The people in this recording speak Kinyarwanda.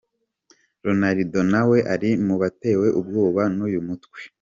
Ronaldo nawe ari mu batewe ubwoba n’uyu mutwe.